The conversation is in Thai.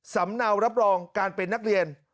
สำเนารับรองการเป็นนักเรียน